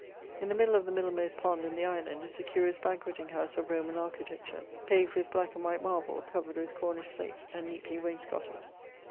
In the middle of the middlemost pond, in the island, is a curious banquetting house of Roman architecture, paved with black and white marble; covered with Cornish slatt, and neatly wainscotted.